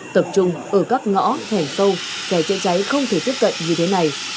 tập trung ở các ngõ thẻ sâu xe cháy cháy không thể tiếp cận như thế này